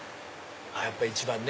やっぱ一番ね。